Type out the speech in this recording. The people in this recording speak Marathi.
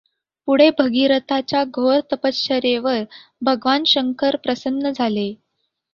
पुढे भगीरथाच्या घोर तपश्चर्येवर भगवान शंकर प्रसन्न झाले.